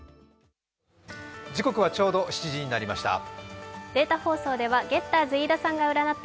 時刻はちょうど７時になりました。